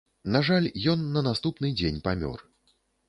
На жаль, ён на наступны дзень памёр.